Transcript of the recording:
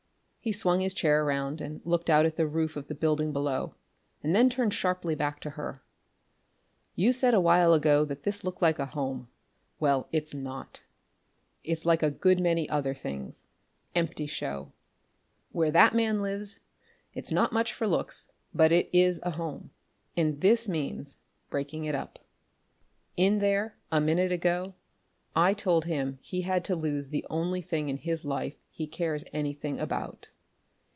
He swung his chair around and looked out at the roof of the building below, and then turned sharply back to her. "You said a while ago that this looked like a home. Well, it's not. It's like a good many other things empty show. Where that man lives, it's not much for looks, but it is a home, and this means breaking it up. In there a minute ago, I told him he had to lose the only thing in life he cares anything about.